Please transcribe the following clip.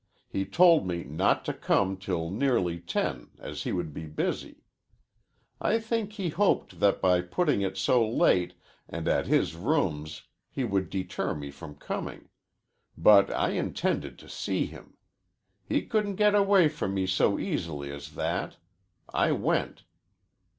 He told me not to come till nearly ten, as he would be busy. I think he hoped that by putting it so late and at his rooms he would deter me from coming. But I intended to see him. He couldn't get away from me so easily as that. I went."